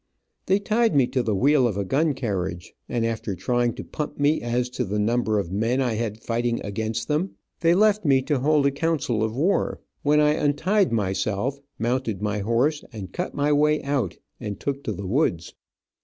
They tied me to the wheel of a gun carriage, and after trying to pump me as to the number of men I had fighting against them, they left me to hold a council of war, when I untied myself, mounted my horse, and cut my way out, and took to the woods.